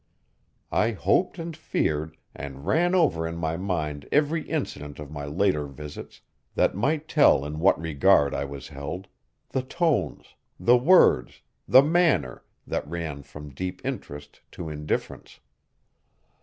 I hoped and feared, and ran over in my mind every incident of my later visits that might tell in what regard I was held the tones, the words, the manner, that ran from deep interest to indifference.